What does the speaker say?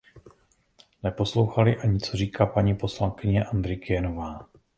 Neposlouchali ani, co říká paní poslankyně Andrikienėová.